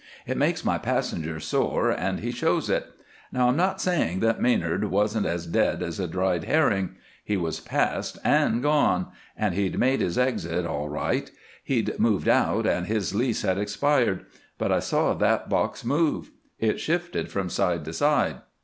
It makes my passenger sore, and he shows it. Now, I'm not saying that Manard wasn't as dead as a dried herring. He was past and gone, and he'd made his exit all right. He'd moved out, and his lease had expired. But I saw that box move. It shifted from side to side.